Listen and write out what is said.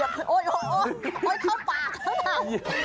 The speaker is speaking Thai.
โอ๊ยโอ๊ยโอ๊ยเข้าปากแล้วน่ะ